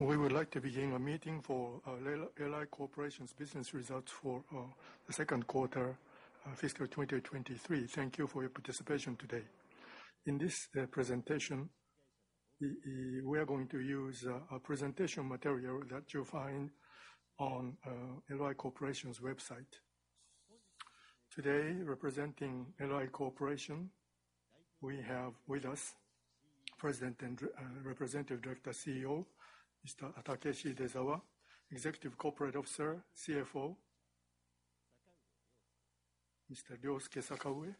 We would like to begin a meeting for LY Corporation's business results for the Q2 fiscal 2023. Thank you for your participation today. In this presentation, we are going to use a presentation material that you'll find on LY Corporation's website. Today, representing LY Corporation, we have with us President and Representative Director, CEO, Mr. Takeshi Idezawa. Executive Corporate Officer, CFO, Mr. Ryosuke Sakaue.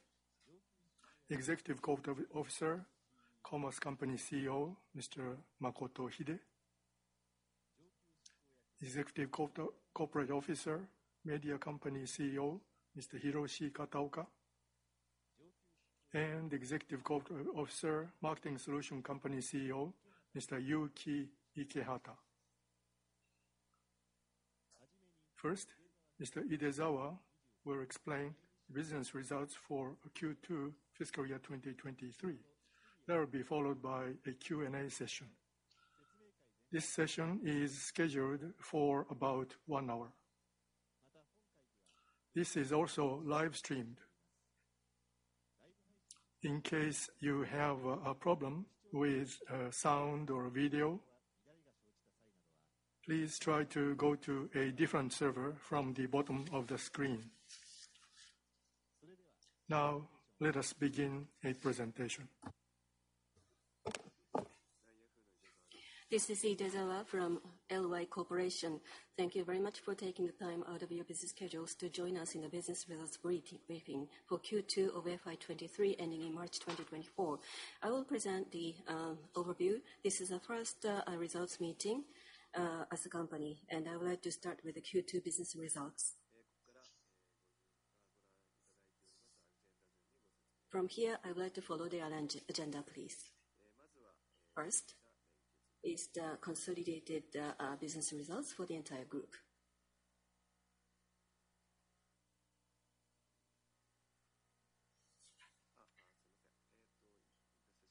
Executive Corporate Officer, Commerce Company CEO, Mr. Makoto Hide. Executive Corporate Officer, Media Company CEO, Mr. Hiroshi Kataoka, and Executive Corporate Officer, Marketing Solution Company CEO, Mr. Yuki Ikehata. First, Mr. Idezawa will explain business results for Q2 fiscal year 2023. That will be followed by a Q&A session. This session is scheduled for about one hour. This is also live streamed. In case you have a problem with sound or video, please try to go to a different server from the bottom of the screen. Now, let us begin a presentation. This is Idezawa from LY Corporation. Thank you very much for taking the time out of your busy schedules to join us in the business results briefing for Q2 of FY 2023, ending in March 2024. I will present the overview. This is our first results meeting as a company, and I would like to start with the Q2 business results. From here, I would like to follow the agenda, please. First, is the consolidated business results for the entire group.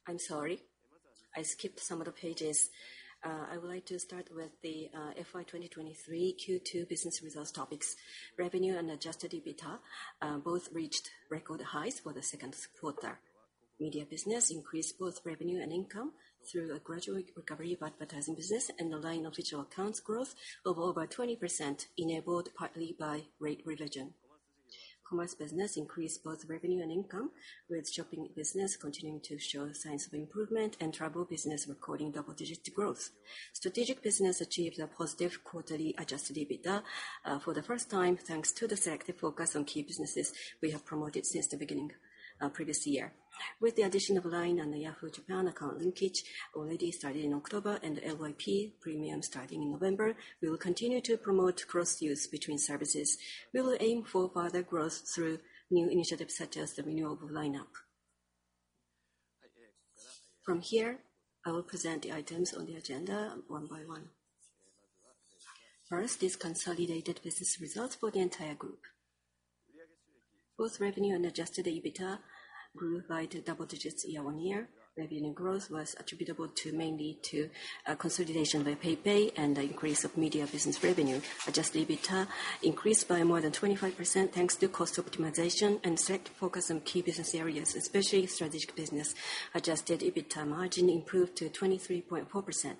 I'm sorry, I skipped some of the pages. I would like to start with the FY 2023 Q2 business results topics. Revenue and adjusted EBITDA both reached record highs for the Q2. Media business increased both revenue and income through a gradual recovery of advertising business and the LINE Official Accounts growth of over 20%, enabled partly by rate revision. Commerce business increased both revenue and income, with shopping business continuing to show signs of improvement and travel business recording double-digit growth. Strategic business achieved a positive quarterly Adjusted EBITDA for the first time, thanks to the selective focus on key businesses we have promoted since the beginning of previous year. With the addition of LINE and the Yahoo! Japan account linkage already starting in October and LYP Premium starting in November, we will continue to promote cross-use between services. We will aim for further growth through new initiatives, such as the renewable lineup. From here, I will present the items on the agenda one by one. First, is consolidated business results for the entire group. Both revenue and adjusted EBITDA grew by double digits year-on-year. Revenue growth was attributable to, mainly to, consolidation by PayPay and the increase of media business revenue. Adjusted EBITDA increased by more than 25%, thanks to cost optimization and select focus on key business areas, especially strategic business. Adjusted EBITDA margin improved to 23.4%.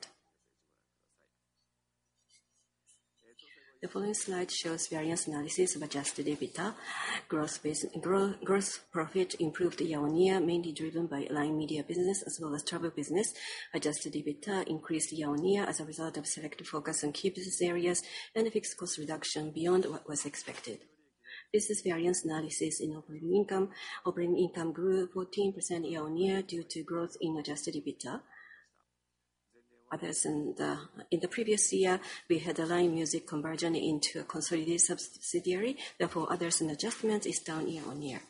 The following slide shows variance analysis of adjusted EBITDA. Gross profit improved year-on-year, mainly driven by LINE media business as well as travel business. Adjusted EBITDA increased year-on-year as a result of selective focus on key business areas and fixed cost reduction beyond what was expected. This is variance analysis in operating income. Operating income grew 14% year-on-year due to growth in adjusted EBITDA. Others, in the previous year, we had the LINE Music conversion into a consolidated subsidiary; therefore, others and adjustments is down year-on-year.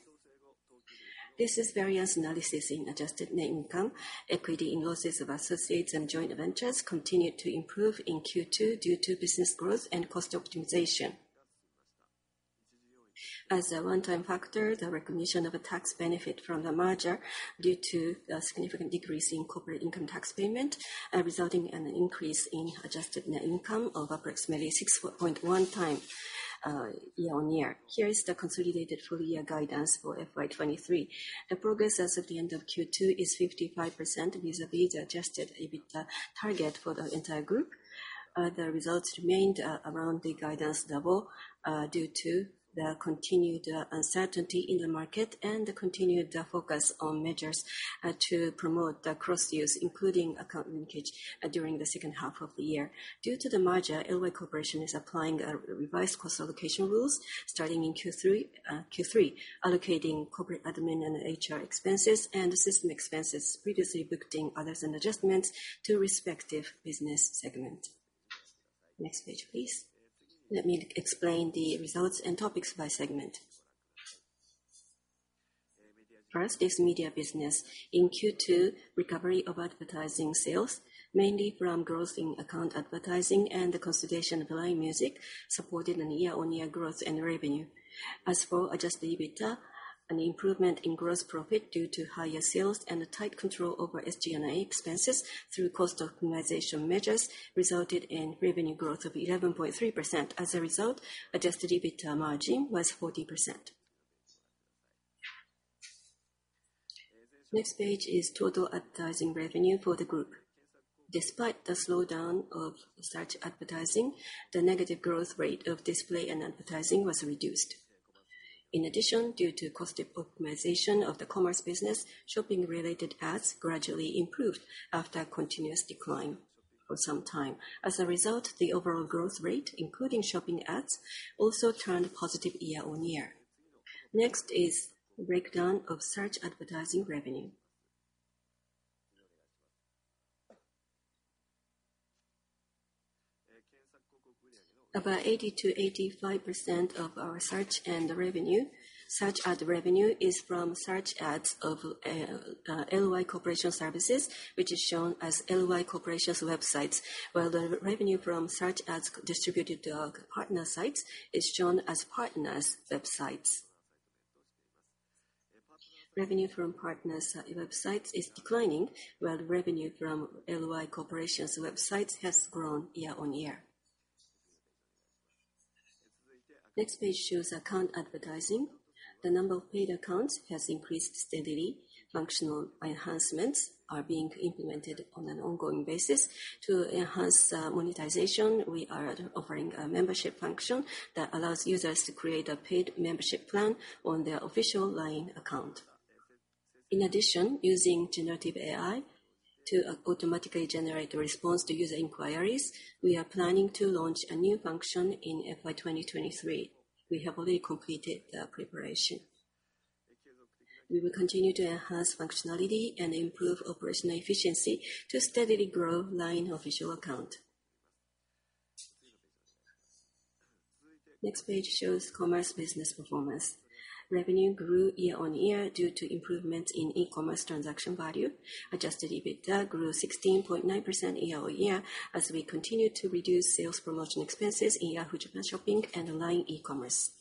This is variance analysis in Adjusted Net Income. Equity in losses of associates and joint ventures continued to improve in Q2 due to business growth and cost optimization. As a one-time factor, the recognition of a tax benefit from the merger, due to a significant decrease in corporate income tax payment, resulting in an increase in Adjusted Net Income of approximately 6.1 times year-on-year. Here is the consolidated full-year guidance for FY 2023. The progress as of the end of Q2 is 55% vis-à-vis Adjusted EBITDA target for the entire group. The results remained around the guidance level due to the continued uncertainty in the market and the continued focus on measures to promote the cross-use, including account linkage, during the second half of the year. Due to the merger, LY Corporation is applying revised cost allocation rules starting in Q3, Q3, allocating corporate admin and HR expenses, and the system expenses previously booked in other than adjustments to respective business segment. Next page, please. Let me explain the results and topics by segment. First is media business. In Q2, recovery of advertising sales, mainly from growth in account advertising and the consolidation of LINE Music, supported a year-on-year growth and revenue. As for adjusted EBITDA, an improvement in gross profit due to higher sales and a tight control over SG&A expenses through cost optimization measures resulted in revenue growth of 11.3%. As a result, adjusted EBITDA margin was 40%. Next page is total advertising revenue for the group. Despite the slowdown of search advertising, the negative growth rate of display and advertising was reduced. In addition, due to cost optimization of the commerce business, shopping-related ads gradually improved after a continuous decline for some time. As a result, the overall growth rate, including shopping ads, also turned positive year-on-year. Next is breakdown of search advertising revenue. About 80% to 85% of our search and revenue, search ad revenue, is from search ads of LY Corporation services, which is shown as LY Corporation's websites, while the revenue from search ads distributed to our partner sites is shown as partners' websites. Revenue from partners' websites is declining, while revenue from LY Corporation's websites has grown year-on-year. Next page shows account advertising. The number of paid accounts has increased steadily. Functional enhancements are being implemented on an ongoing basis. To enhance monetization, we are offering a membership function that allows users to create a paid membership plan on their official LINE account. In addition, using generative AI to automatically generate a response to user inquiries, we are planning to launch a new function in FY 2023. We have already completed the preparation. We will continue to enhance functionality and improve operational efficiency to steadily grow LINE Official Account. Next page shows commerce business performance. Revenue grew year-on-year due to improvement in e-commerce transaction value. Adjusted EBITDA grew 16.9% year-on-year, as we continued to reduce sales promotion expenses in Yahoo! Japan Shopping and LINE e-commerce.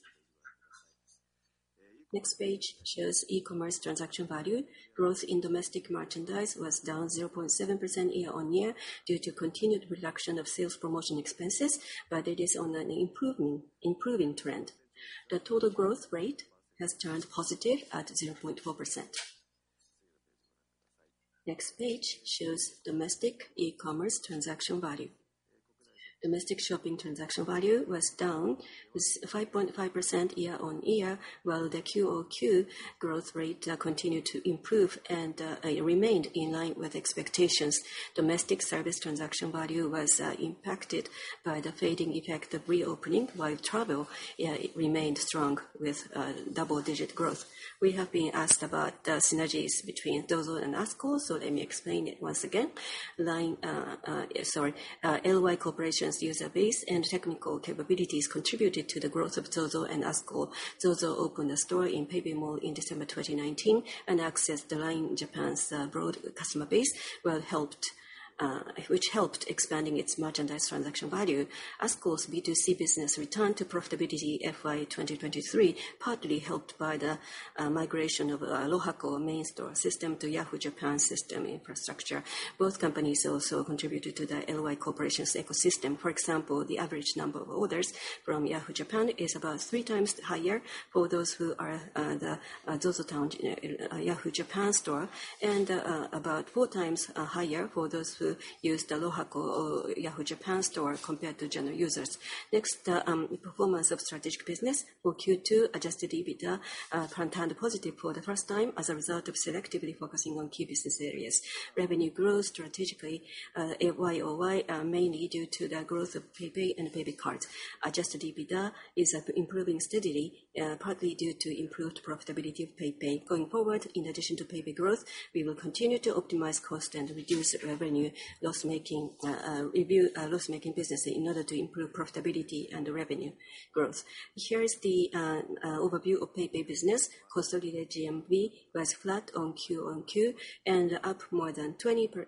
Next page shows e-commerce transaction value. Growth in domestic merchandise was down 0.7% year-on-year, due to continued reduction of sales promotion expenses, but it is on an improving, improving trend. The total growth rate has turned positive at 0.4%. Next page shows domestic e-commerce transaction value. Domestic shopping transaction value was down 5.5% year-on-year, while the QOQ growth rate continued to improve and remained in line with expectations. Domestic service transaction value was impacted by the fading effect of reopening, while travel remained strong with double-digit growth. We have been asked about the synergies between ZOZO and ASKUL, so let me explain it once again. LINE, sorry, LY Corporation's user base and technical capabilities contributed to the growth of ZOZO and ASKUL. ZOZO opened a store in PayPay Mall in December 2019, and accessed the LINE Japan's broad customer base, which helped expanding its merchandise transaction value. ASKUL's B2C business returned to profitability FY 2023, partly helped by the migration of LOHACO main store system to Yahoo! Japan's system infrastructure. Both companies also contributed to the LY Corporation's ecosystem. For example, the average number of orders from Yahoo! Japan is about three times higher for those who are the ZOZOTOWN Yahoo! Japan store, and about four times higher for those who use the LOHACO or Yahoo! Japan store compared to general users. Next, performance of strategic business for Q2, adjusted EBITDA turned positive for the first time as a result of selectively focusing on key business areas. Revenue growth strategically, YOY, are mainly due to the growth of PayPay and PayPay cards. Adjusted EBITDA is improving steadily, partly due to improved profitability of PayPay. Going forward, in addition to PayPay growth, we will continue to optimize cost and reduce revenue loss-making, review, loss-making businesses in order to improve profitability and revenue growth. Here is the overview of PayPay business. Consolidated GMV was flat on Q-o-Q and up more than 20%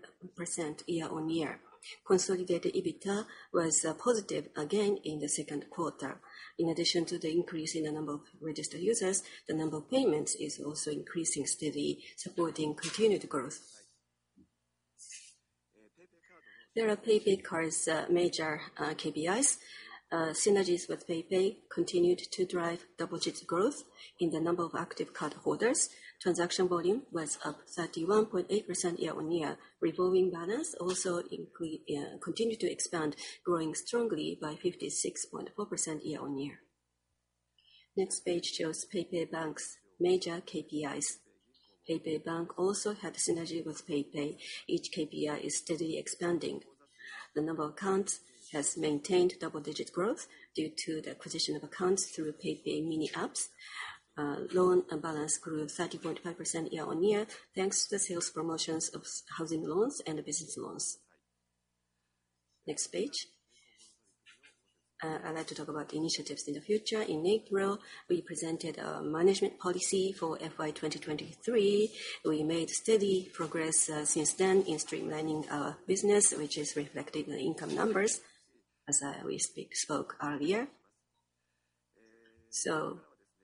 year-on-year. Consolidated EBITDA was positive again in the Q2. In addition to the increase in the number of registered users, the number of payments is also increasing steadily, supporting continued growth. There are PayPay Card major KPIs. Synergies with PayPay continued to drive double-digit growth in the number of active cardholders. Transaction volume was up 31.8% year-on-year. Revolving balance also continued to expand, growing strongly by 56.4% year-on-year. Next page shows PayPay Bank's major KPIs. PayPay Bank also had synergy with PayPay. Each KPI is steadily expanding. The number of accounts has maintained double-digit growth due to the acquisition of accounts through PayPay Mini Apps. Loan balance grew 30.5% year-on-year, thanks to the sales promotions of housing loans and the business loans. Next page. I'd like to talk about initiatives in the future. In April, we presented a management policy for FY 2023. We made steady progress since then in streamlining our business, which is reflected in the income numbers, as I, we speak, spoke earlier. So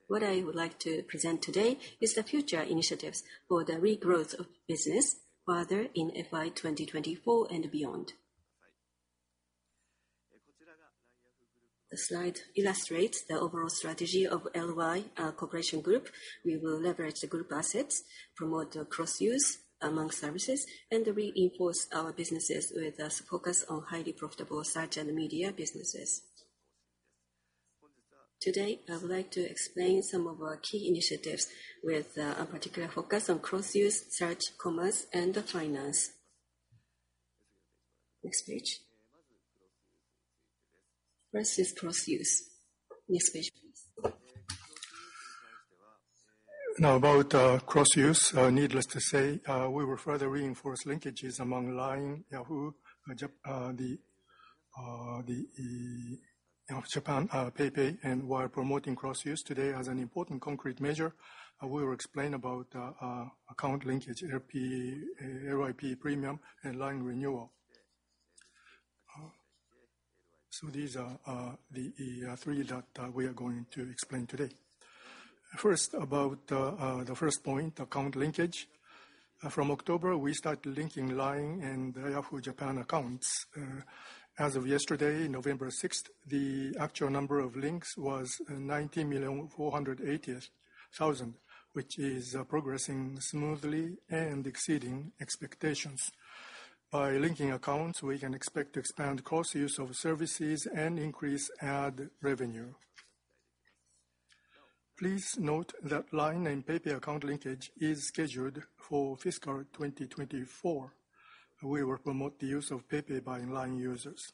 what I would like to present today is the future initiatives for the regrowth of business further in FY 2024 and beyond. The slide illustrates the overall strategy of LY Corporation Group. We will leverage the group assets, promote cross-use among services, and reinforce our businesses with focus on highly profitable search and media businesses. Today, I would like to explain some of our key initiatives with a particular focus on cross-use, search, commerce, and finance. Next page. First is cross-use. Next page, please. Now, about cross-use, needless to say, we will further reinforce linkages among LINE, Yahoo! Japan, PayPay, and while promoting cross-use today as an important concrete measure, we will explain about account linkage, LYP Premium, and LINE Renewal. So these are the three that we are going to explain today. First, about the first point, account linkage. From October, we started linking LINE and Yahoo! Japan accounts. As of yesterday, November 6th, the actual number of links was 90,480,000, which is progressing smoothly and exceeding expectations. By linking accounts, we can expect to expand cross-use of services and increase ad revenue. Please note that LINE and PayPay account linkage is scheduled for fiscal 2024. We will promote the use of PayPay by LINE users.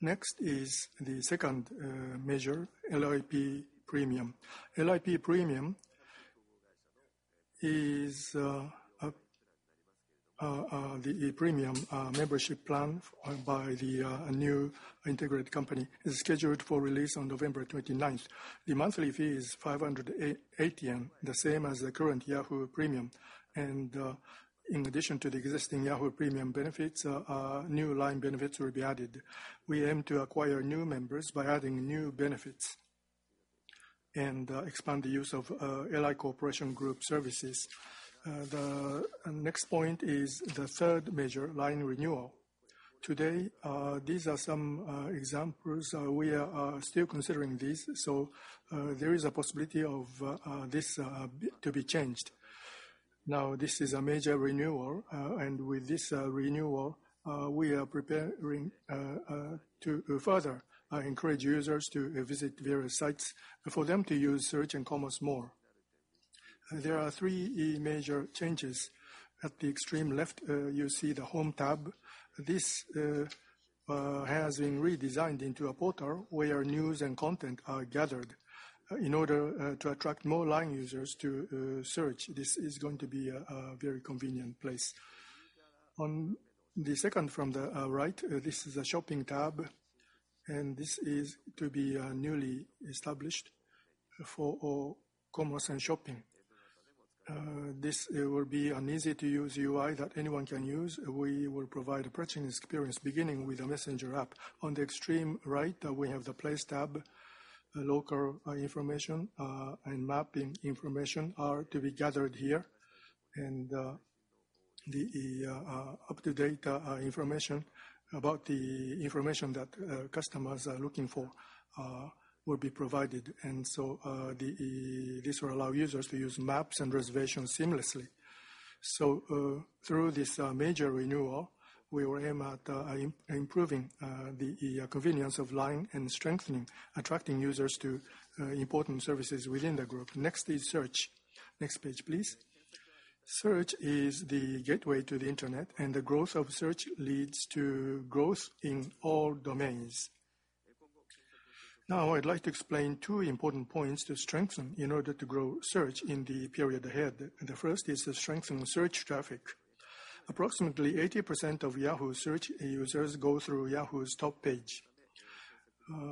Next is the second measure, LYP Premium. LYP Premium is the premium membership plan by the new integrated company. It's scheduled for release on November 29. The monthly fee is 580 yen, the same as the current Yahoo Premium. In addition to the existing Yahoo Premium benefits, new LINE benefits will be added. We aim to acquire new members by adding new benefits and expand the use of LY Corporation group services. The next point is the third major LINE renewal. Today, these are some examples. We are still considering this, so there is a possibility of this to be changed. Now, this is a major renewal, and with this renewal, we are preparing to further encourage users to visit various sites for them to use search and commerce more. There are three major changes. At the extreme left, you see the Home Tab. This has been redesigned into a portal where news and content are gathered. In order to attract more LINE users to search, this is going to be a very convenient place. On the second from the right, this is a Shopping Tab, and this is to be newly established for all commerce and shopping. This will be an easy-to-use UI that anyone can use. We will provide a purchasing experience, beginning with the Messenger app. On the extreme right, we have the Place Tab, local information, and mapping information are to be gathered here. The up-to-date information about the information that customers are looking for will be provided. This will allow users to use maps and reservations seamlessly. Through this major renewal, we will aim at improving the convenience of LINE and strengthening attracting users to important services within the group. Next is Search. Next page, please. Search is the gateway to the internet, and the growth of Search leads to growth in all domains. Now, I'd like to explain two important points to strengthen in order to grow Search in the period ahead. The first is to strengthen Search traffic. Approximately 80% of Yahoo Search users go through Yahoo's top page.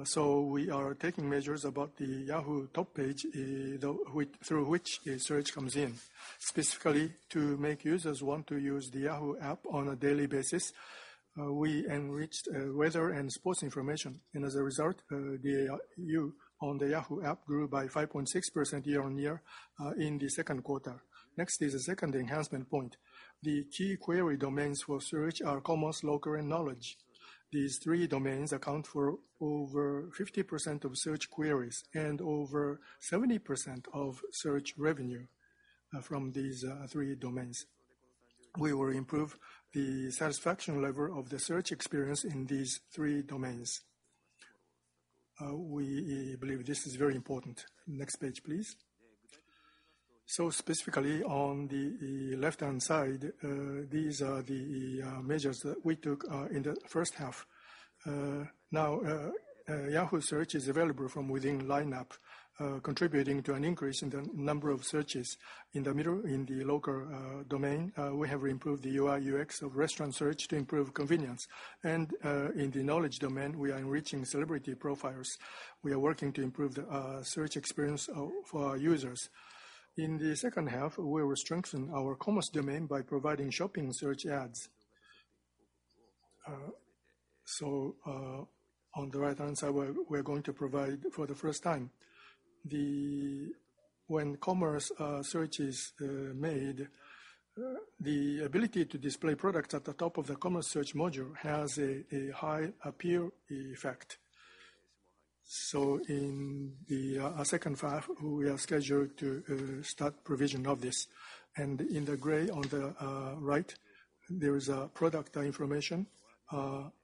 So we are taking measures about the Yahoo top page through which the search comes in. Specifically, to make users want to use the Yahoo app on a daily basis, we enriched weather and sports information, and as a result, the Yahoo on the Yahoo app grew by 5.6% year-on-year in the Q2. Next is the second enhancement point. The key query domains for Search are commerce, local, and knowledge. These three domains account for over 50% of search queries and over 70% of search revenue from these three domains. We will improve the satisfaction level of the search experience in these three domains. We believe this is very important. Next page, please. So specifically, on the left-hand side, these are the measures that we took in the first half. Now, Yahoo Search is available from within LINE app, contributing to an increase in the number of searches. In the middle, in the local domain, we have improved the UI/UX of restaurant search to improve convenience. And, in the knowledge domain, we are enriching celebrity profiles. We are working to improve the search experience for our users. In the second half, we will strengthen our commerce domain by providing shopping search ads. So, on the right-hand side, we're going to provide for the first time, when commerce search is made, the ability to display products at the top of the commerce search module has a high appeal effect. So in the second half, we are scheduled to start provision of this. And in the gray on the right, there is a product information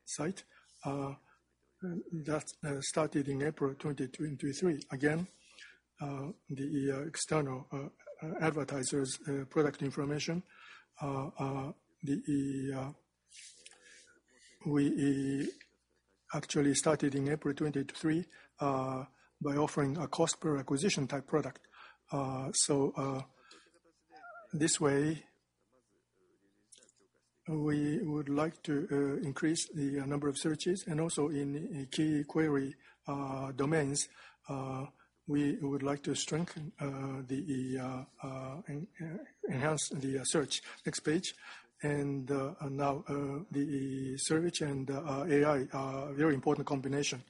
site that started in April 2023. Again, the external advertisers product information, the we actually started in April 2023 by offering a cost per acquisition type product. So, this way, we would like to increase the number of searches and also in key query domains, we would like to strengthen the enhance the search. Next page. And, now, the search and AI are very important combination.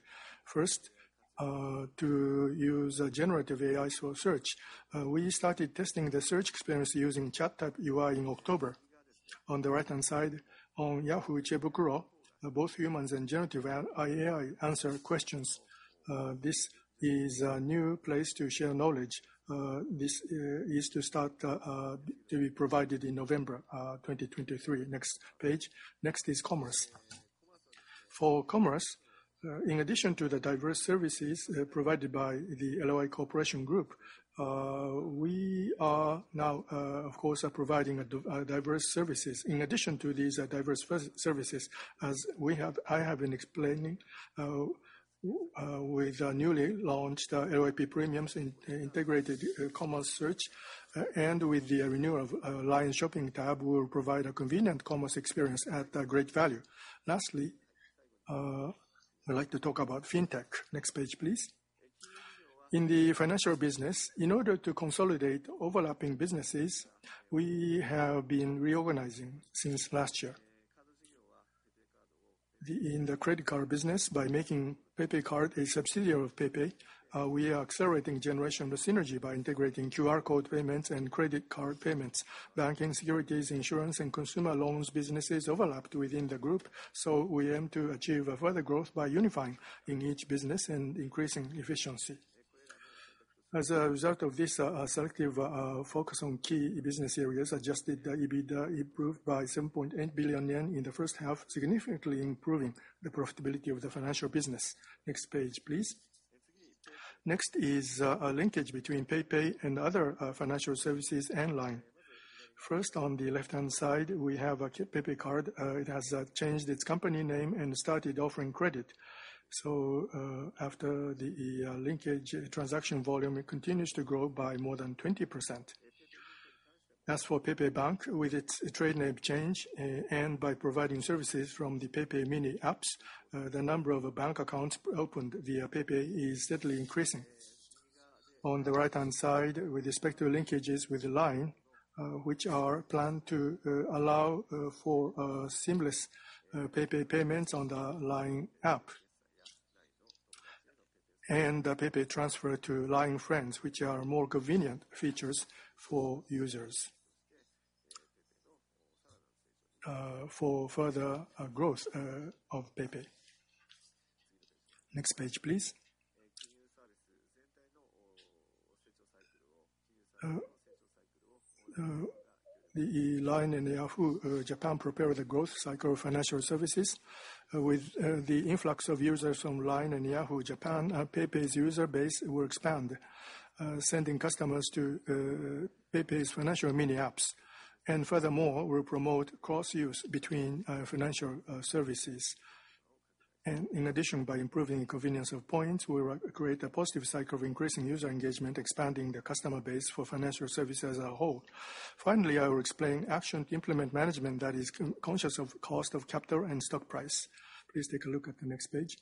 First, to use generative AI for search. We started testing the search experience using chatbot UI in October. On the right-hand side, on Yahoo! Chiebukuro, both humans and generative AI answer questions. This is a new place to share knowledge. This is to start to be provided in November 2023. Next page. Next is commerce. For commerce, in addition to the diverse services provided by the LY Corporation group, we are now, of course, are providing diverse services. In addition to these diverse services, as we have, I have been explaining, with our newly launched LYP Premium in integrated commerce search, and with the renewal of LINE Shopping Tab, we will provide a convenient commerce experience at a great value. Lastly, I'd like to talk about Fintech. Next page, please. In the financial business, in order to consolidate overlapping businesses, we have been reorganizing since last year. In the credit card business, by making PayPay Card a subsidiary of PayPay, we are accelerating generation with synergy by integrating QR code payments and credit card payments. Banking, securities, insurance, and consumer loans businesses overlapped within the group, so we aim to achieve a further growth by unifying in each business and increasing efficiency. As a result of this, selective focus on key business areas, adjusted EBITDA improved by 7.8 billion yen in the first half, significantly improving the profitability of the financial business. Next page, please. Next is a linkage between PayPay and other financial services and LINE. First, on the left-hand side, we have a PayPay Card. It has changed its company name and started offering credit. So, after the linkage, transaction volume, it continues to grow by more than 20%. As for PayPay Bank, with its trade name change, and by providing services from the PayPay Mini Apps, the number of bank accounts opened via PayPay is steadily increasing. On the right-hand side, with respect to linkages with LINE, which are planned to allow for seamless PayPay payments on the LINE app. And the PayPay transfer to LINE friends, which are more convenient features for users, for further growth of PayPay. Next page, please. The LINE and Yahoo! Japan prepare the growth cycle of financial services. With the influx of users from LINE and Yahoo! Japan, PayPay's user base will expand, sending customers to PayPay's financial mini apps, and furthermore, will promote cross-use between financial services. In addition, by improving the convenience of points, we will create a positive cycle of increasing user engagement, expanding the customer base for financial service as a whole. Finally, I will explain action to implement management that is cost-conscious of cost of capital and stock price. Please take a look at the next page.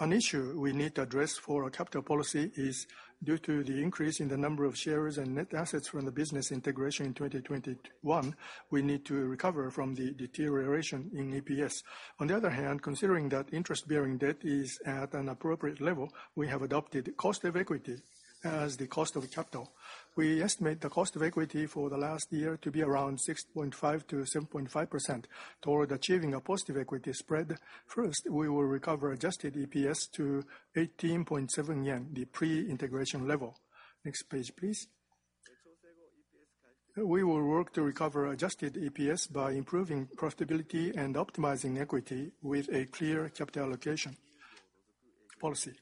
An issue we need to address for our capital policy is due to the increase in the number of shares and net assets from the business integration in 2021, we need to recover from the deterioration in EPS. On the other hand, considering that interest-bearing debt is at an appropriate level, we have adopted cost of equity as the cost of capital. We estimate the cost of equity for the last year to be around 6.5% to 7.5%. Toward achieving a positive equity spread, first, we will recover adjusted EPS to 18.7 yen, the pre-integration level. Next page, please. We will work to recover adjusted EPS by improving profitability and optimizing equity with a clear capital allocation policy.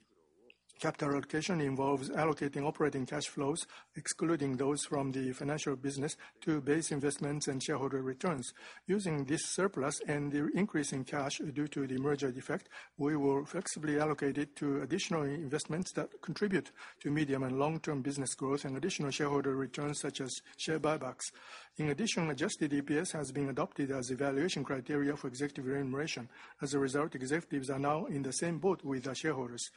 Capital allocation involves allocating operating cash flows, excluding those from the financial business to base investments and shareholder returns. Using this surplus and the increase in cash due to the merger effect, we will flexibly allocate it to additional investments that contribute to medium and long-term business growth and additional shareholder returns, such as share buybacks. In addition, adjusted EPS has been adopted as evaluation criteria for executive remuneration. As a result, executives are now in the same boat with our shareholders.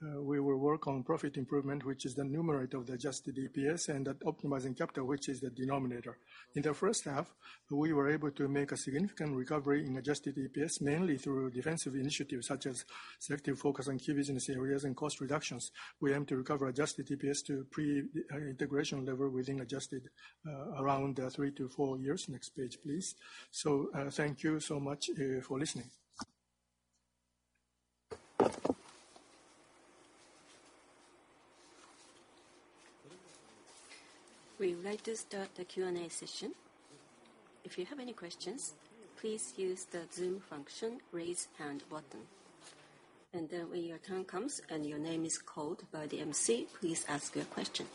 We will work on profit improvement, which is the numerator of the adjusted EPS, and at optimizing capital, which is the denominator. In the first half, we were able to make a significant recovery in Adjusted EPS, mainly through defensive initiatives, such as selective focus on key business areas and cost reductions. We aim to recover Adjusted EPS to pre-integration level within adjusted around three to four years. Next page, please. So, thank you so much for listening. We would like to start the Q&A session. If you have any questions, please use the Zoom function, Raise Hand button. Then when your turn comes and your name is called by the MC, please ask your question.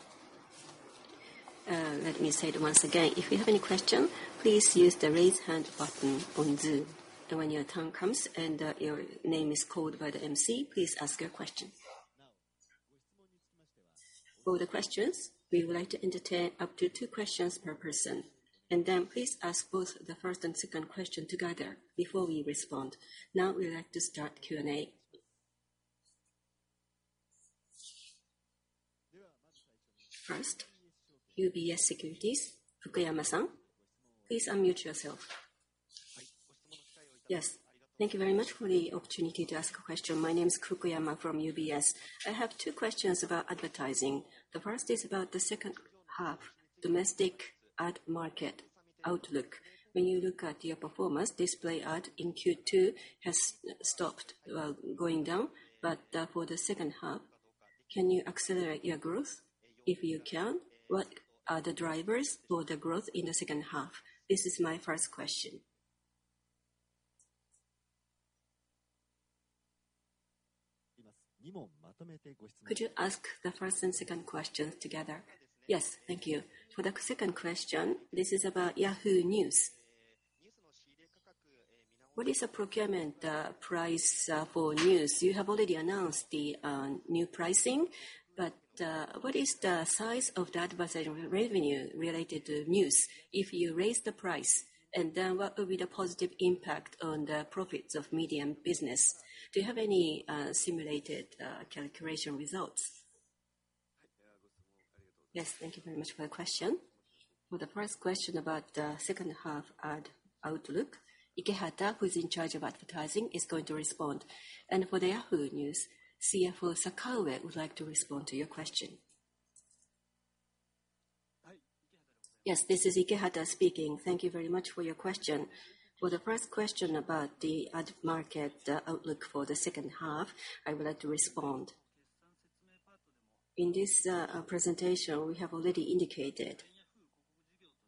Let me say it once again. If you have any question, please use the Raise Hand button on Zoom, and when your turn comes and your name is called by the MC, please ask your question. For the questions, we would like to entertain up to two questions per person, and then please ask both the first and second question together before we respond. Now we would like to start Q&A. First, UBS Securities, Fukuyama, please unmute yourself. Yes. Thank you very much for the opportunity to ask a question. My name is Fukuyama from UBS. I have two questions about advertising. The first is about the second half, domestic ad market outlook. When you look at your performance, display ad in Q2 has stopped, well, going down, but, for the second half, can you accelerate your growth? If you can, what are the drivers for the growth in the second half? This is my first question. Could you ask the first and second questions together? Yes. Thank you. For the second question, this is about Yahoo News. What is the procurement price for news? You have already announced the new pricing, but, what is the size of the advertising revenue related to news? If you raise the price, and then what will be the positive impact on the profits of media and business? Do you have any simulated calculation results? Yes, thank you very much for your question. For the first question about the second half ad outlook, Ikehata, who is in charge of advertising, is going to respond. For the Yahoo News, CFO Sakaue would like to respond to your question. Yes, this is Ikehata speaking. Thank you very much for your question. For the first question about the ad market outlook for the second half, I would like to respond. In this presentation, we have already indicated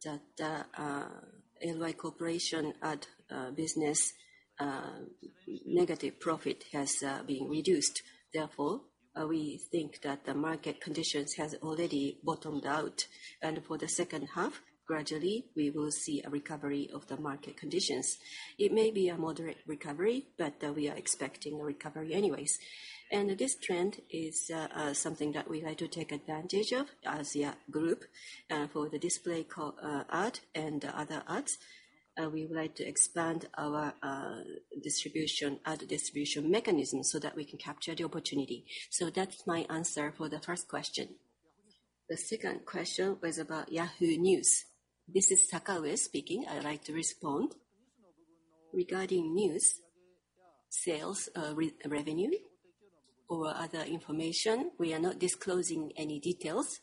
that LY Corporation ad business negative profit has been reduced. Therefore, we think that the market conditions has already bottomed out, and for the second half, gradually, we will see a recovery of the market conditions. It may be a moderate recovery, but we are expecting a recovery anyways. This trend is something that we like to take advantage of as a group for the display call ad and other ads. We would like to expand our distribution ad distribution mechanism so that we can capture the opportunity. So that's my answer for the first question. The second question was about Yahoo News. This is Sakaue speaking. I'd like to respond. Regarding news sales revenue or other information, we are not disclosing any details.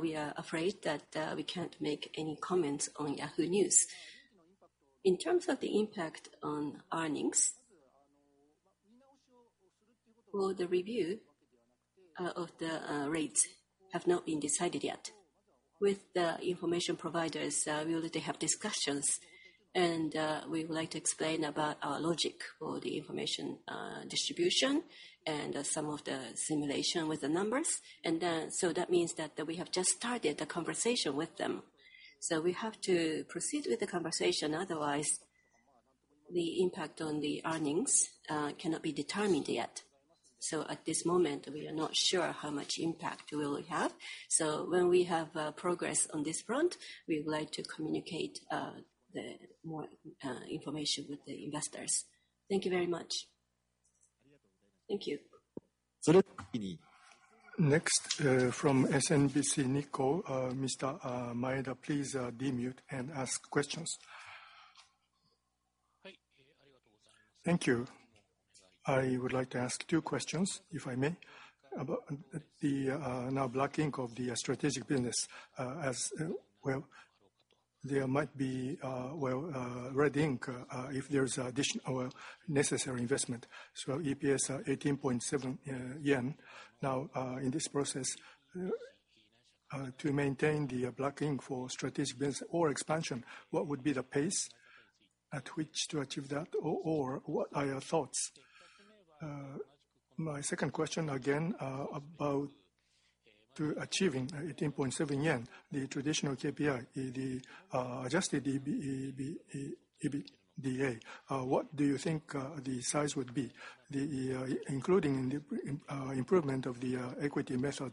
We are afraid that we can't make any comments on Yahoo News. In terms of the impact on earnings, for the review of the rates have not been decided yet. With the information providers, we already have discussions, and we would like to explain about our logic for the information distribution and some of the simulation with the numbers. So that means that we have just started the conversation with them. So we have to proceed with the conversation, otherwise the impact on the earnings cannot be determined yet. So at this moment, we are not sure how much impact we will have. So when we have progress on this front, we would like to communicate the more information with the investors. Thank you very much. Thank you. Next, from SMBC Nikko, Mr. Maeda, please, de-mute and ask questions. Thank you. I would like to ask two questions, if I may. About the now black ink of the strategic business, as well, there might be well red ink if there's addition or necessary investment. So EPS 18.7 yen. Now, in this process, to maintain the black ink for strategic business or expansion, what would be the pace at which to achieve that, or what are your thoughts? My second question, again, about to achieving 18.7 yen, the traditional KPI, the adjusted EBITDA, what do you think the size would be? The including the improvement of the equity method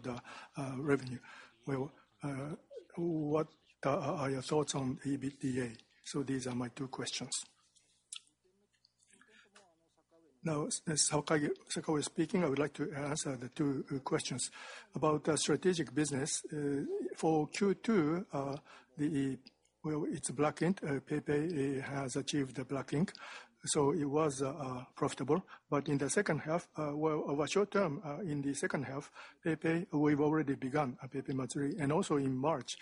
revenue. Well, what are your thoughts on EBITDA? These are my two questions. Now, this is Sakaue speaking. I would like to answer the two questions. About our strategic business, for Q2, it's black ink. PayPay has achieved the black ink. So it was profitable. But in the second half, well, over short term, in the second half, PayPay, we've already begun PayPay Matsuri. And also in March,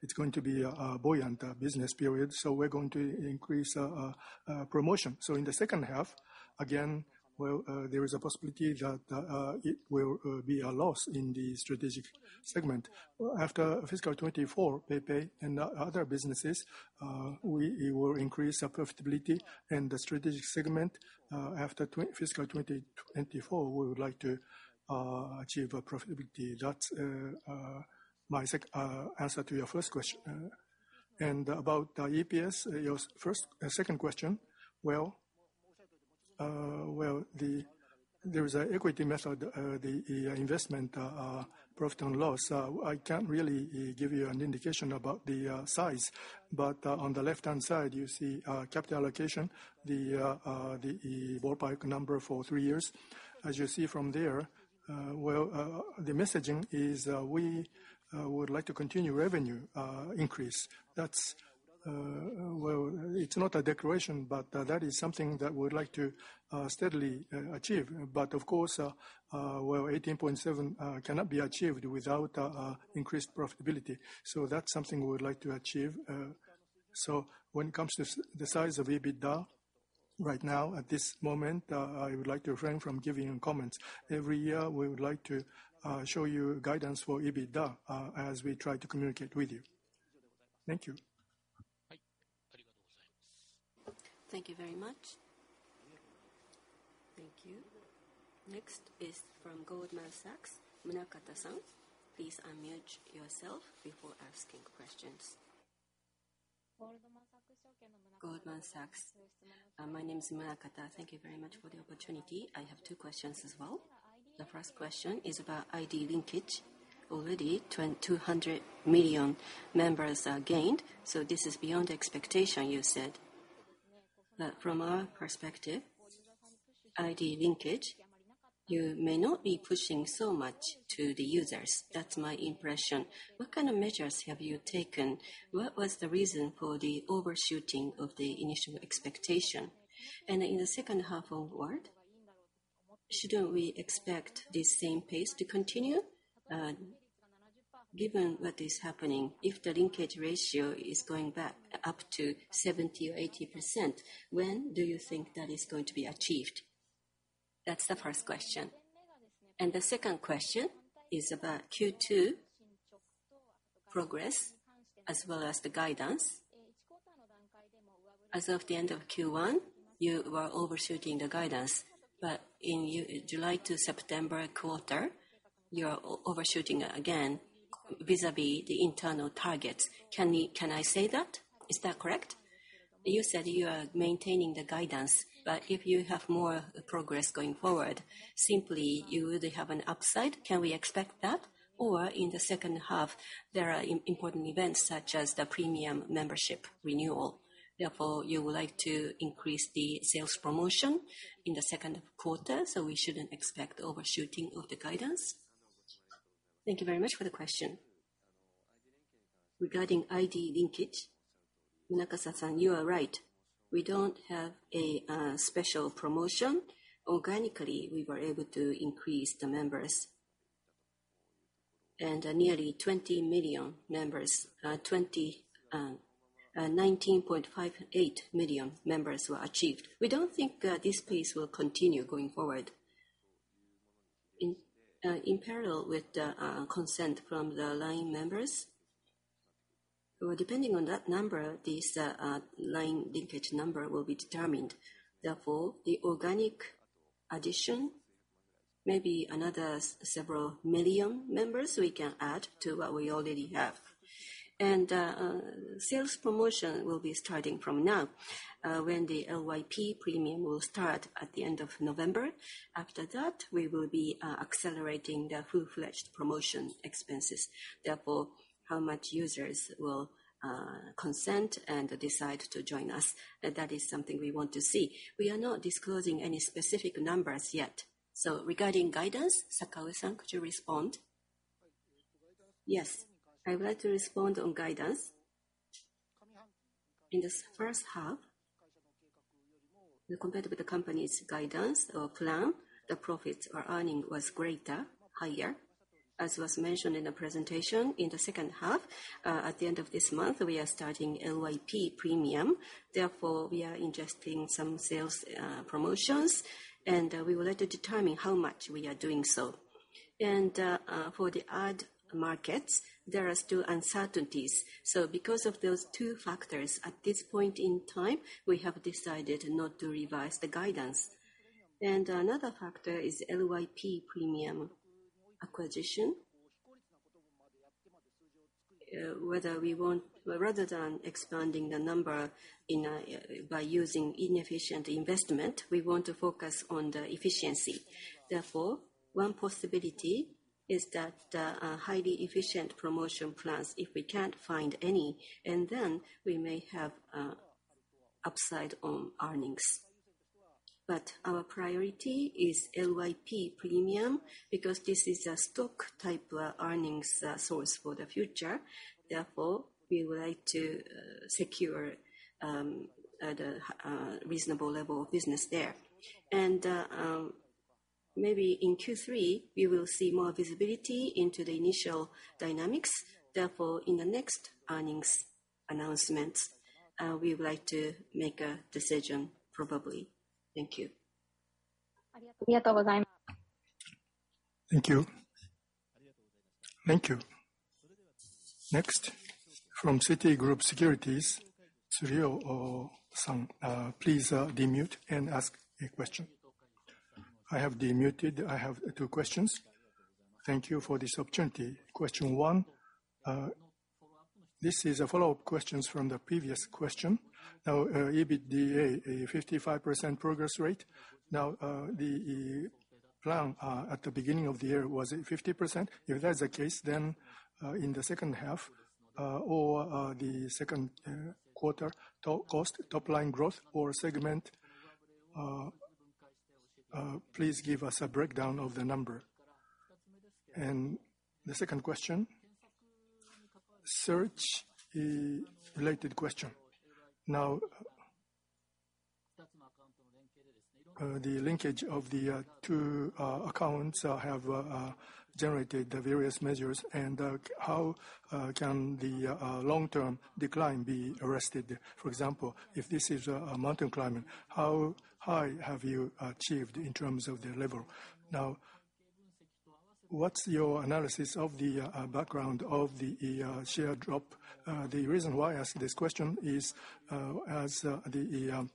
it's going to be a buoyant business period, so we're going to increase promotion. So in the second half, again, well, there is a possibility that it will be a loss in the strategic segment. After fiscal 2024, PayPay and other businesses, we will increase our profitability in the strategic segment. After fiscal 2024, we would like to achieve a profitability. That's my answer to your first question. And about our EPS, your second question, well, well, there is an equity method, the investment profit and loss. I can't really give you an indication about the size, but on the left-hand side, you see capital allocation, the ballpark number for three years. As you see from there, well, the messaging is we would like to continue revenue increase. That's well, it's not a declaration, but that is something that we'd like to steadily achieve. But, of course, well, 18.7 cannot be achieved without increased profitability, so that's something we would like to achieve. So when it comes to the size of EBITDA, right now, at this moment, I would like to refrain from giving comments. Every year, we would like to show you guidance for EBITDA as we try to communicate with you. Thank you. Thank you very much. Thank you. Next is from Goldman Sachs, Munakata. Please unmute yourself before asking questions. Goldman Sachs. My name is Munakata. Thank you very much for the opportunity. I have two questions as well. The first question is about ID Linkage. Already, 200 million members are gained, so this is beyond expectation, you said. But from our perspective, ID Linkage, you may not be pushing so much to the users. That's my impression. What kind of measures have you taken? What was the reason for the overshooting of the initial expectation? And in the second half onward, should we expect the same pace to continue? Given what is happening, if the linkage ratio is going back up to 70% or 80%, when do you think that is going to be achieved? That's the first question. The second question is about Q2 progress, as well as the guidance. As of the end of Q1, you were overshooting the guidance, but in July to September quarter, you are overshooting again vis-à-vis the internal target. Can I say that? Is that correct? You said you are maintaining the guidance, but if you have more progress going forward, simply you would have an upside. Can we expect that? Or in the second half, there are important events such as the premium membership renewal, therefore, you would like to increase the sales promotion in the Q2, so we shouldn't expect overshooting of the guidance. Thank you very much for the question. Regarding ID linkage, Munakata-san, you are right. We don't have a special promotion. Organically, we were able to increase the members. Nearly 20 million members, 19.58 million members were achieved. We don't think this pace will continue going forward. In parallel with the consent from the LINE members, well, depending on that number, this LINE linkage number will be determined. Therefore, the organic addition, maybe another several million members we can add to what we already have. And sales promotion will be starting from now, when the LYP Premium will start at the end of November. After that, we will be accelerating the full-fledged promotion expenses. Therefore, how much users will consent and decide to join us, that is something we want to see. We are not disclosing any specific numbers yet. So regarding guidance, Sakaue, could you respond? Yes, I would like to respond on guidance. In this first half, we compared with the company's guidance or plan, the profits or earning was greater, higher. As was mentioned in the presentation, in the second half, at the end of this month, we are starting LYP Premium. Therefore, we are investing some sales promotions, and we would like to determine how much we are doing so. And for the ad markets, there are still uncertainties. So because of those two factors, at this point in time, we have decided not to revise the guidance. And another factor is LYP Premium acquisition. Whether we want. Rather than expanding the number in a by using inefficient investment, we want to focus on the efficiency. Therefore, one possibility is that highly efficient promotion plans, if we can't find any, and then we may have upside on earnings. But our priority is LYP Premium, because this is a stock-type earnings source for the future. Therefore, we would like to secure the reasonable level of business there. Maybe in Q3, we will see more visibility into the initial dynamics. Therefore, in the next earnings announcements, we would like to make a decision, probably. Thank you. Thank you. Thank you. Next, from Citigroup Securities, Mitsunobu Tsuruo. Please, unmute and ask a question. I have unmuted. I have two questions. Thank you for this opportunity. Question one, this is a follow-up questions from the previous question. Now, EBITDA, a 55% progress rate. Now, the plan, at the beginning of the year, was it 50%? If that is the case, then, in the second half, or, the second, quarter, to- cost, top line growth or segment, please give us a breakdown of the number. And the second question, search, related question. Now, the linkage of the, two, accounts, have, generated the various measures, and, how, can the, long-term decline be arrested? For example, if this is a mountain climbing, how high have you achieved in terms of the level? Now, what's your analysis of the background of the share drop? The reason why I ask this question is, as the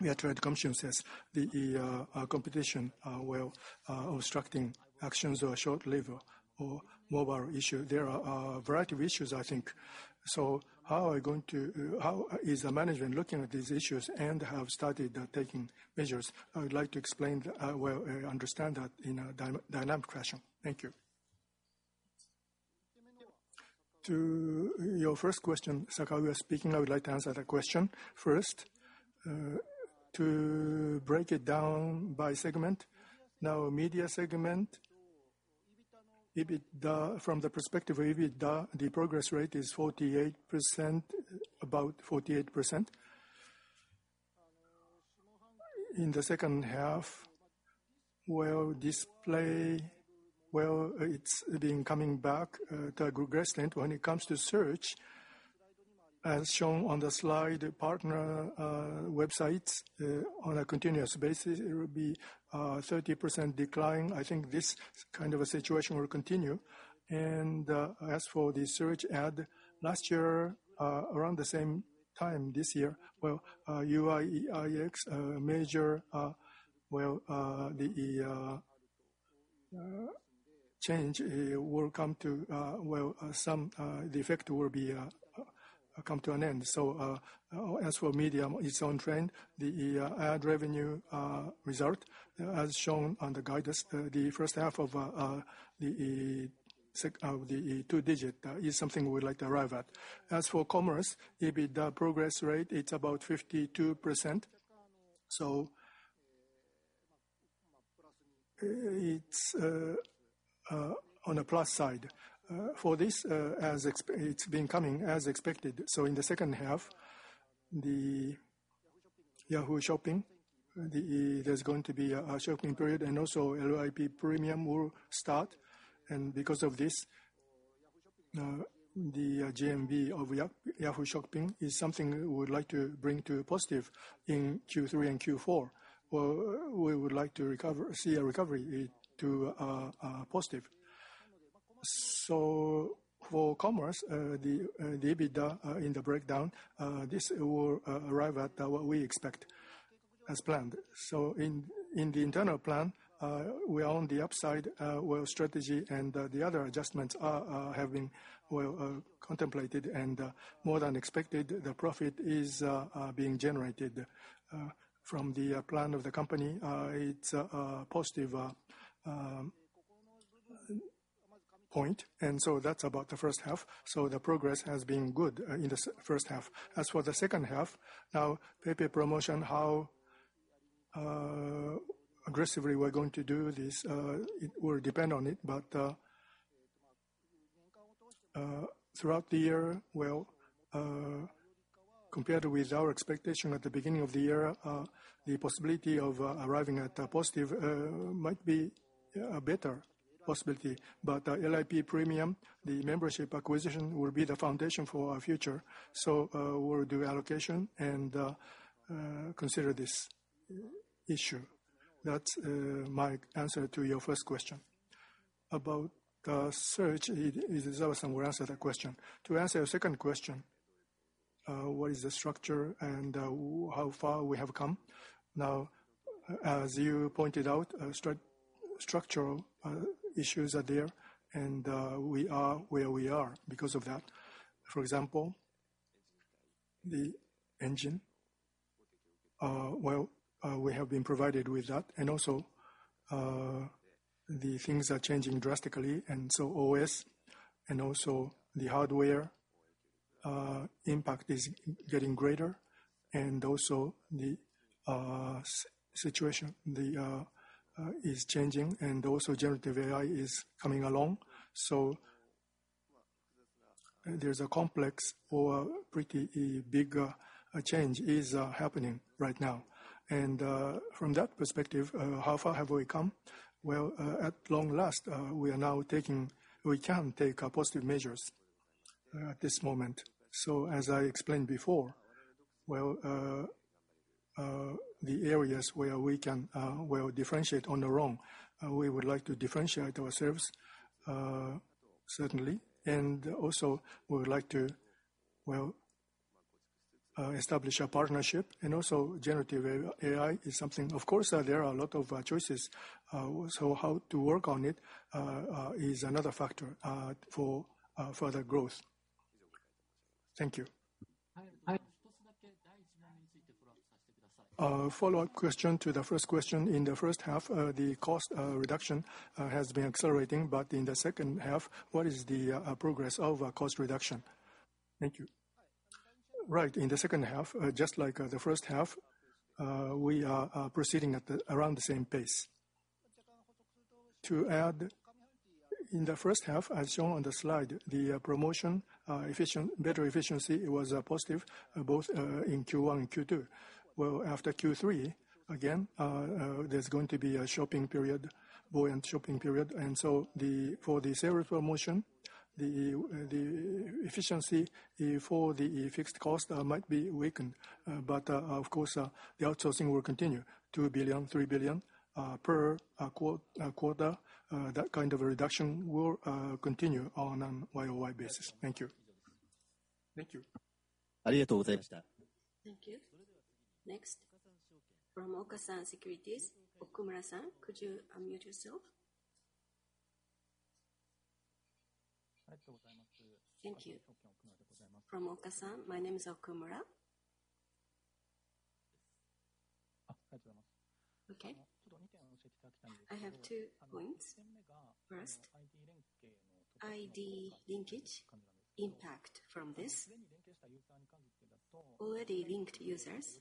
Fair Trade Commission says, the competition will obstructing actions or search lever or mobile issue. There are a variety of issues, I think. So how are we going to, how is the management looking at these issues and have started taking measures? I would like to explain, well, understand that in a dynamic question. Thank you. To your first question, Sakaue speaking. I would like to answer that question first. To break it down by segment, now, media segment, EBITDA, from the perspective of EBITDA, the progress rate is 48%, about 48%. In the second half, where display, well, it's been coming back to a good growth rate. When it comes to search, as shown on the slide, partner websites on a continuous basis, it will be a 30% decline. I think this kind of a situation will continue. As for the search ad, last year around the same time this year, well, UI/UX major, well, the change will come to, well, some, the effect will come to an end. As for media, its own trend, the ad revenue result, as shown on the guidance, the first half of the sec of the two-digit is something we'd like to arrive at. As for commerce, EBITDA progress rate, it's about 52%. So, it's on the plus side. For this, as expected, it's been coming as expected. So in the second half, the Yahoo! Shopping, there's going to be a shopping period, and also LYP Premium will start. And because of this, the GMV of Yahoo! Shopping is something we would like to bring to positive in Q3 and Q4, where we would like to recover, see a recovery to positive. So for commerce, the EBITDA in the breakdown, this will arrive at what we expect as planned. So in the internal plan, we are on the upside, where strategy and the other adjustments have been, well, contemplated, and more than expected, the profit is being generated. From the plan of the company, it's a positive point, and so that's about the first half. So the progress has been good in the first half. As for the second half, now, PayPay promotion, how aggressively we're going to do this, it will depend on it. But throughout the year, well, compared with our expectation at the beginning of the year, the possibility of arriving at a positive might be a better possibility. But LYP Premium, the membership acquisition, will be the foundation for our future. So we'll do allocation and consider this issue. That's my answer to your first question. About the search, Idezawa will answer that question. To answer your second question, what is the structure and how far we have come? Now, as you pointed out, structural issues are there, and we are where we are because of that. For example, the engine, well, we have been provided with that, and also the things are changing drastically, and so OS and also the hardware impact is getting greater, and also the situation is changing, and also generative AI is coming along. So there's a complex or pretty big change is happening right now. From that perspective, how far have we come? Well, at long last, we are now taking. We can take positive measures at this moment. So, as I explained before, well, the areas where we can, well, differentiate on our own, we would like to differentiate ourselves, certainly, and also we would like to, well, establish a partnership. Also, generative AI, AI is something of course, there are a lot of choices. So, how to work on it is another factor for further growth. Thank you. Hi. Follow-up question to the first question. In the first half, the cost reduction has been accelerating, but in the second half, what is the progress of cost reduction? Thank you. Right. In the second half, just like the first half, we are proceeding at around the same pace. To add, in the first half, as shown on the slide, the promotion efficiency, better efficiency, was positive both in Q1 and Q2. Well, after Q3, again, there's going to be a shopping period, buoyant shopping period, and so, for the sales promotion, the efficiency for the fixed cost might be weakened. But of course, the outsourcing will continue, 2 billion to 3 billion per quarter. That kind of a reduction will continue on an YOY basis. Thank you. Thank you. Thank you. Next, from Okasan Securities, Okumura, could you unmute yourself? Thank you. From Okasan, my name is Okumura. Okay. I have two points. First, ID linkage impact from this. Already linked users,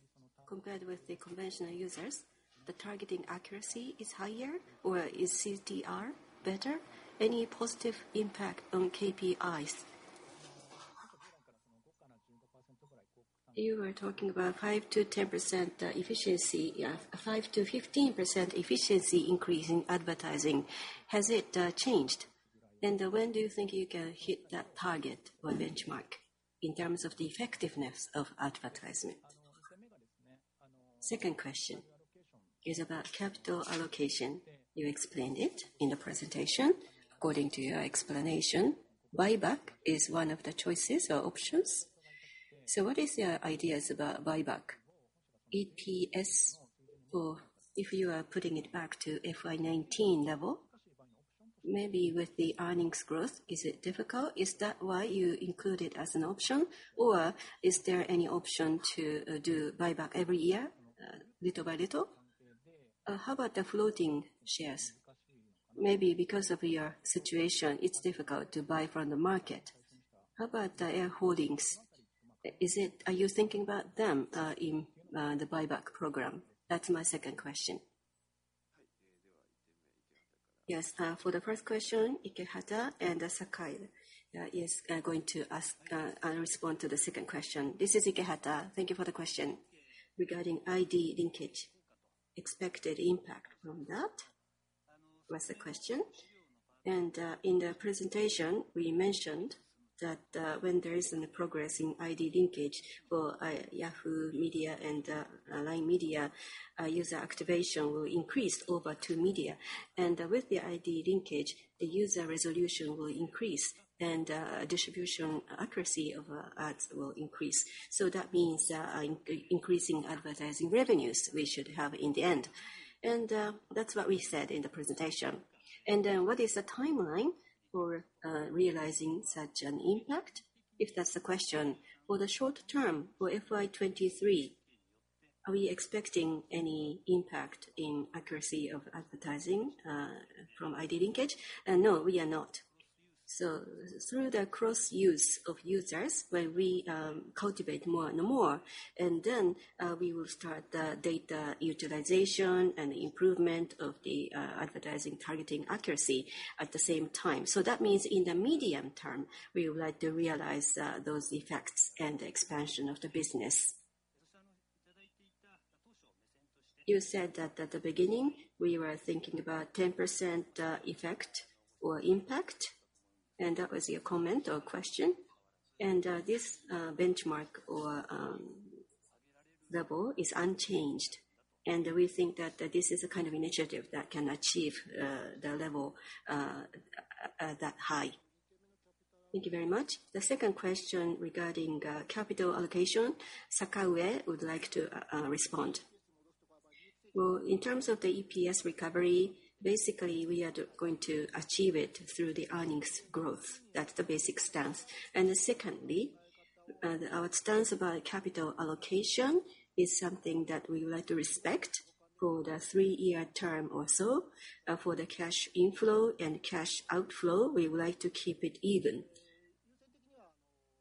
compared with the conventional users, the targeting accuracy is higher or is CTR better? Any positive impact on KPIs? You were talking about 5% to 10% efficiency, 5% to 15% efficiency increase in advertising. Has it changed? And when do you think you can hit that target or benchmark in terms of the effectiveness of advertisement? Second question is about capital allocation. You explained it in the presentation. According to your explanation, buyback is one of the choices or options. So what is your ideas about buyback? EPS, or if you are putting it back to FY 2019 level, maybe with the earnings growth, is it difficult? Is that why you include it as an option, or is there any option to do buyback every year little by little? How about the floating shares? Maybe because of your situation, it's difficult to buy from the market. How about A Holdings? Is it, are you thinking about them in the buyback program? That's my second question. Yes, for the first question, Ikehata and Sakaue is going to ask and respond to the second question. This is Ikehata. Thank you for the question. Regarding ID linkage, expected impact from that, was the question. And in the presentation, we mentioned that when there is any progress in ID linkage for Yahoo media and online media, user activation will increase over to media. And with the ID Linkage, the user resolution will increase, and, distribution accuracy of, ads will increase. So that means, increasing advertising revenues we should have in the end. And, that's what we said in the presentation. And, what is the timeline for, realizing such an impact? If that's the question, for the short term, for FY 2023, are we expecting any impact in accuracy of advertising, from ID Linkage? No, we are not. So through the Cross-use of users, when we, cultivate more and more, and then, we will start the data utilization and improvement of the, advertising targeting accuracy at the same time. So that means in the medium term, we would like to realize, those effects and the expansion of the business. You said that at the beginning, we were thinking about 10% effect or impact, and that was your comment or question. This benchmark or level is unchanged, and we think that this is a kind of initiative that can achieve the level that high. Thank you very much. The second question regarding capital allocation, Sakaue would like to respond. Well, in terms of the EPS recovery, basically, we are going to achieve it through the earnings growth. That's the basic stance. And secondly, our stance about capital allocation is something that we would like to respect for the three-year term or so. For the cash inflow and cash outflow, we would like to keep it even....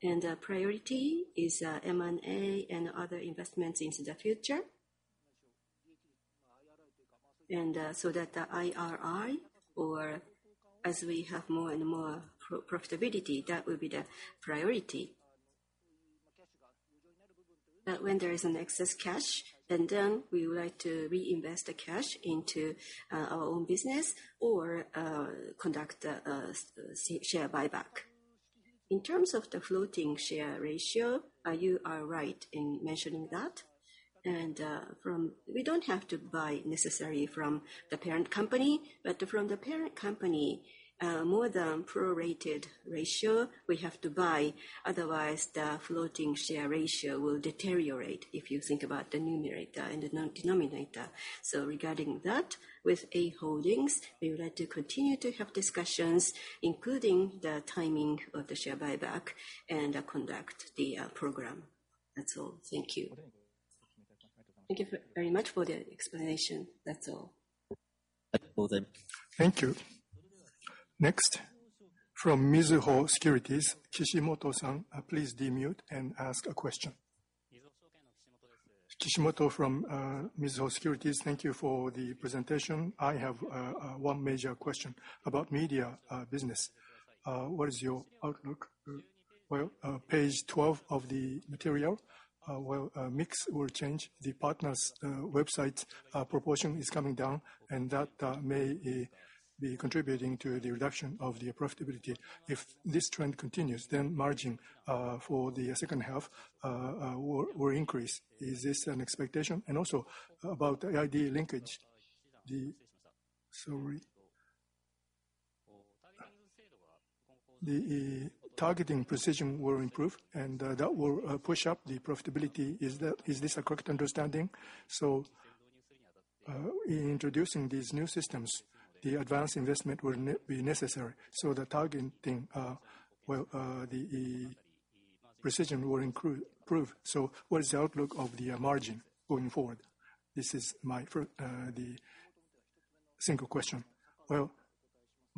and priority is M&A and other investments into the future. So that the IRI, or as we have more and more profitability, that will be the priority. But when there is excess cash, and then we would like to reinvest the cash into our own business or conduct a share buyback. In terms of the floating share ratio, you are right in mentioning that. And we don't have to buy necessarily from the parent company, but from the parent company, more than prorated ratio, we have to buy, otherwise, the floating share ratio will deteriorate, if you think about the numerator and the denominator. So regarding that, with A Holdings, we would like to continue to have discussions, including the timing of the share buyback and conduct the program. That's all. Thank you. Thank you very much for the explanation. That's all. Thank you. Next, from Mizuho Securities, Kishimoto, please unmute and ask a question. Kishimoto from Mizuho Securities. Thank you for the presentation. I have one major question about media business. What is your outlook? Well, page 12 of the material, well, mix will change. The partners website proportion is coming down, and that may be contributing to the reduction of the profitability. If this trend continues, then margin for the second half will increase. Is this an expectation? And also, about ID Linkage, the, sorry. The targeting precision will improve, and that will push up the profitability. Is this a correct understanding? So, in introducing these new systems, the advanced investment will be necessary, so the targeting, the precision will improve. So what is the outlook of the margin going forward? This is my first, the single question. Well,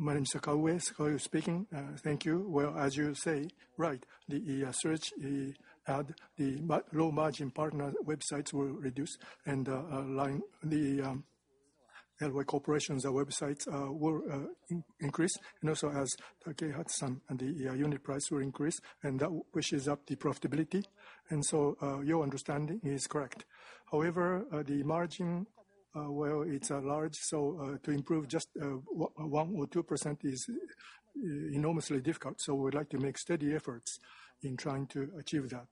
my name is Sakaue, Sakaue speaking. Thank you. Well, as you say, right, the search, the ad, the low-margin partner websites will reduce and LINE, the LY Corporation's websites will increase, and also as CPA down and the unit price will increase, and that pushes up the profitability. And so, your understanding is correct. However, the margin, well, it's large, so to improve just one or two percent is enormously difficult, so we'd like to make steady efforts in trying to achieve that.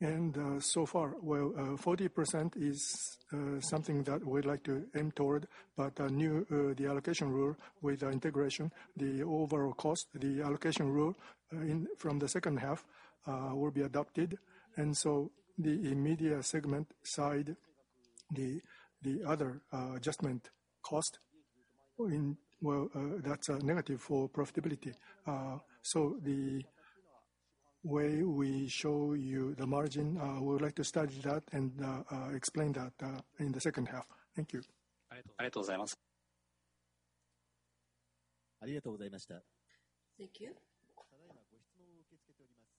And so far, well, 40% is something that we'd like to aim toward, but a new, the allocation rule with our integration, the overall cost, the allocation rule, in from the second half, will be adopted. And so on the immediate segment side, the other adjustment cost in, well, that's a negative for profitability. So the way we show you the margin, we would like to study that and explain that in the second half. Thank you. Thank you. Thank you.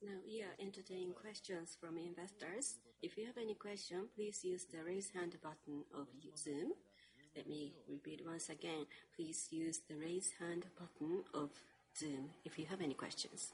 Now, we are entertaining questions from investors. If you have any question, please use the Raise Hand button of Zoom. Let me repeat once again, please use the Raise Hand button of Zoom if you have any questions.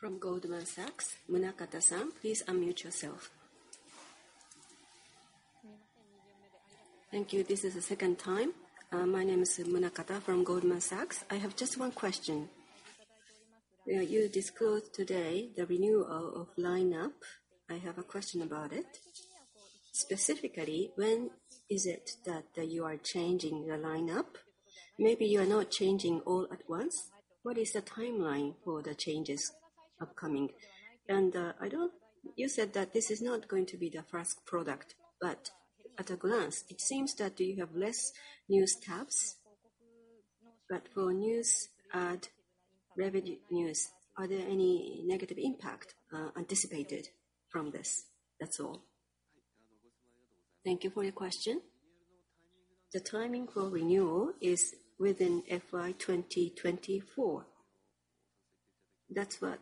From Goldman Sachs, Munakata, please unmute yourself. Thank you. This is the second time. My name is Munakata from Goldman Sachs. I have just one question. You discussed today the renewal of LINE app. I have a question about it. Specifically, when is it that you are changing your LINE app? Maybe you are not changing all at once. What is the timeline for the changes upcoming? And, I don't., you said that this is not going to be the first product, but at a glance, it seems that you have less news tabs. But for news ad revenue-news, are there any negative impact anticipated from this? That's all. Thank you for your question. The timing for renewal is within FY 2024. That's what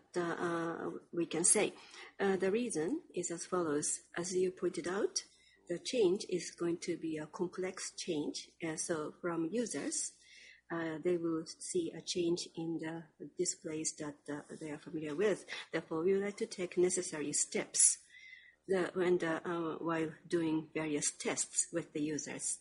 we can say. The reason is as follows: as you pointed out, the change is going to be a complex change. So from users, they will see a change in the displays that they are familiar with. Therefore, we would like to take necessary steps, the, when the, while doing various tests with the users.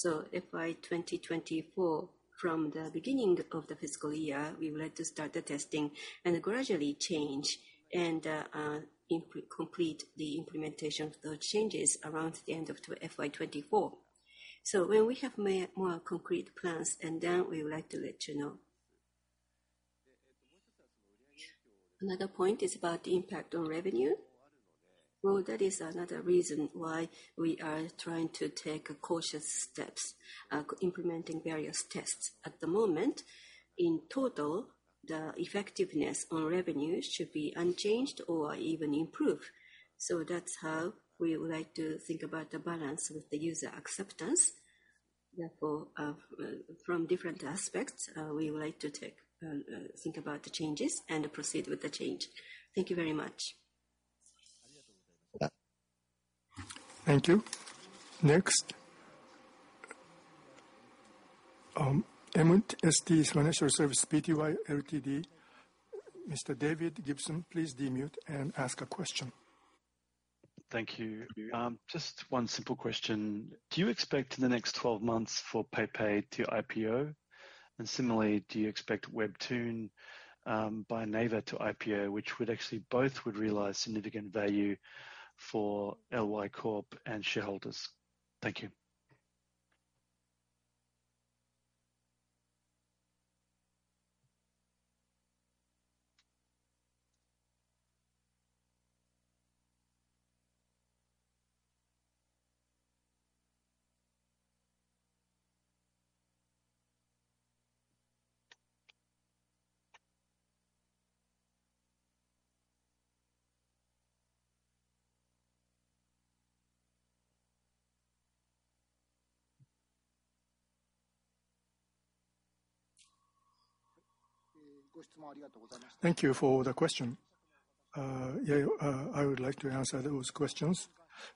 So FY 2024, from the beginning of the fiscal year, we would like to start the testing and gradually change and complete the implementation of the changes around the end of FY 2024. So when we have made more concrete plans, and then we would like to let you know. Another point is about the impact on revenue. Well, that is another reason why we are trying to take cautious steps implementing various tests. At the moment, in total, the effectiveness on revenues should be unchanged or even improve. So that's how we would like to think about the balance with the user acceptance. Therefore, from different aspects, we would like to think about the changes and proceed with the change. Thank you very much. Thank you. Next, MST Financial Services Pty Ltd, Mr. David Gibson, please de-mute and ask a question. Thank you. Just one simple question: Do you expect in the next 12 months for PayPay to IPO? And similarly, do you expect Webtoon by Naver to IPO, which would actually both would realize significant value for LY Corp and shareholders? Thank you. Thank you for the question. Yeah, I would like to answer those questions.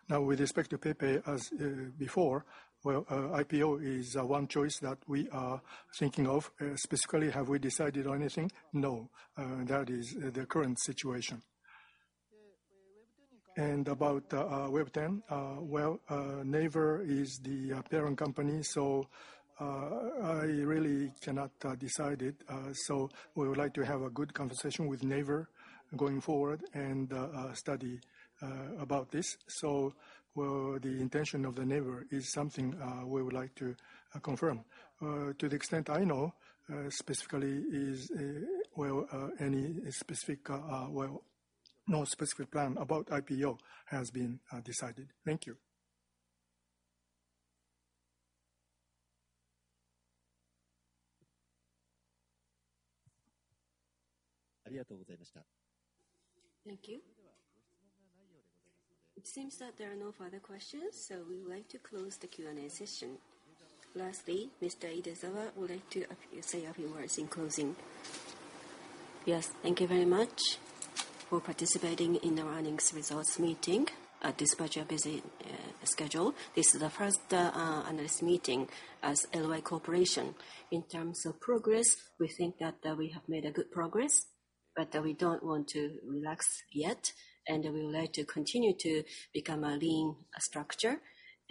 Now, with respect to PayPay, as before, well, IPO is one choice that we are thinking of. Specifically, have we decided on anything? No. That is the current situation. And about Webtoon, well, Naver is the parent company, so I really cannot decide it. So we would like to have a good conversation with Naver going forward and study about this. So well, the intention of Naver is something we would like to confirm. To the extent I know, specifically is, well, any specific, well, no specific plan about IPO has been decided. Thank you. Thank you. It seems that there are no further questions, so we would like to close the Q&A session. Lastly, Mr. Idezawa would like to say a few words in closing. Yes, thank you very much for participating in the earnings results meeting, despite your busy schedule. This is the first analyst meeting as LY Corporation. In terms of progress, we think that we have made a good progress, but we don't want to relax yet, and we would like to continue to become a lean structure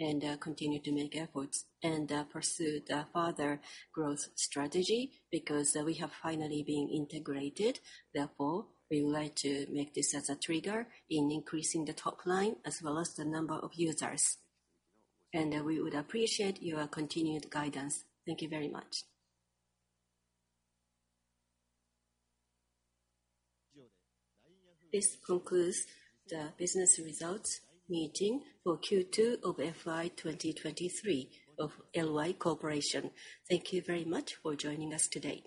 and continue to make efforts and pursue the further growth strategy because we have finally been integrated. Therefore, we would like to make this as a trigger in increasing the top line, as well as the number of users. And we would appreciate your continued guidance. Thank you very much. This concludes the business results meeting for Q2 of FY 2023 of LY Corporation. Thank you very much for joining us today.